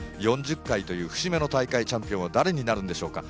４０回という節目の大会チャンピオンは誰になるんでしょうか。